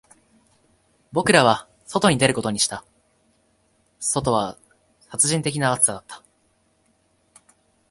僕らは外に出ることにした、外は殺人的な暑さだった